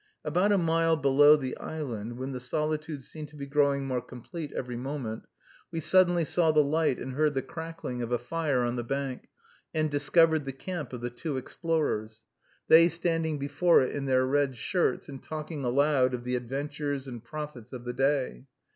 About a mile below the island, when the solitude seemed to be growing more complete every moment, we suddenly saw the light and heard the crackling of a fire on the bank, and discovered the camp of the two explorers; they standing before it in their red shirts, and talking aloud of the adventures and profits of the day.